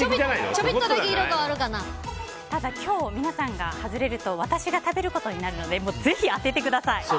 ちょびっとだけただ、今日、皆さんが外れると私が食べることになるのでぜひ、当ててください。